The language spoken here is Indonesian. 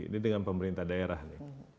ini dengan pemerintah daerah nih